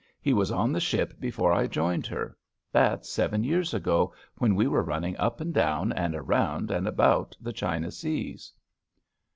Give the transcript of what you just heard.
He was on the ship before I joined her — ^that's seven years ago, when we were running up and down and around and about the China Seas."